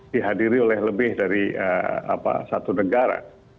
dihadiri oleh lebih dari satu negara